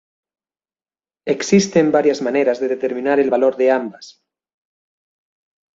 Existen varias maneras de determinar el valor de ambas.